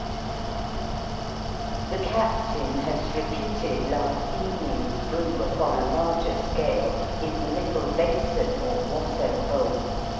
The Captain has repeated last evening's brew, upon a larger scale, in the "little bason," or wassail bowl.